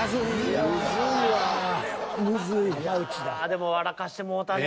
でも笑かしてもうたね。